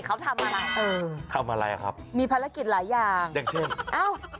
เขาทำอะไรเออทำอะไรอ่ะครับมีภารกิจหลายอย่างอย่างเช่นอ้าว